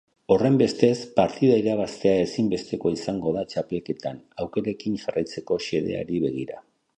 Horrenbestez, partida irabaztea ezinbestekoa izango da txapelketan aukerekin jarraitzeko xedeari begira.